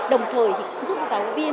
đồng thời giúp cho giáo viên